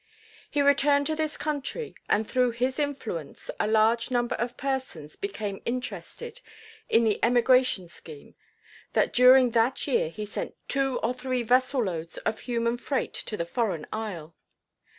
He returned to this country and through his influence a large number of persons became interested in the emigration scheme, that during that year he sent two or three vessel loads of human freight to the foreign isle.